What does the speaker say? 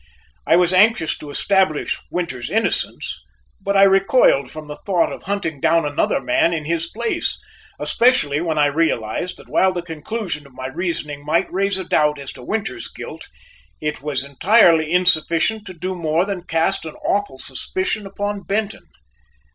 I was anxious to establish Winters's innocence, but I recoiled from the thought of hunting down another man in his place, especially when I realized that while the conclusion of my reasoning might raise a doubt as to Winters's guilt, it was entirely insufficient to do more than cast an awful suspicion upon Benton.